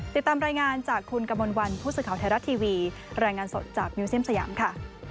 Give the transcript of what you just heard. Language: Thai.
ติดตามรายงานจากคุณกมลวันผู้สื่อข่าวไทยรัฐทีวีรายงานสดจากมิวเซียมสยามค่ะ